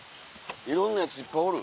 いろんなやついっぱいおる！